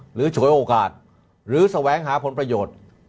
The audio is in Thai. ฉวยโอกาสหรือแสวงหาผลประโยชน์